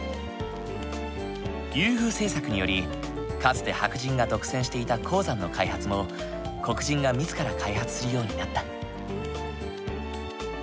優遇政策によりかつて白人が独占していた鉱山の開発も黒人が自ら開発するようになった。